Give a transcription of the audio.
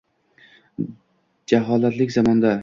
Jaholatlik zamonda